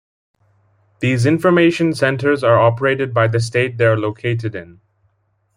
These information centers are operated by the state they are located in.